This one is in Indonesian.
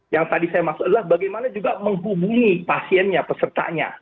yang tadi saya maksud adalah bagaimana juga menghubungi pasiennya pesertanya